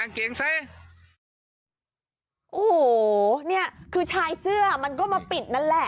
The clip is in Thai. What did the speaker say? โอ้โหเนี่ยคือชายเสื้อมันก็มาปิดนั่นแหละ